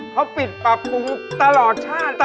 เขาปิดปรับปรุงตลอดชาติ